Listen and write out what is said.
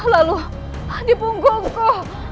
lalu di punggungku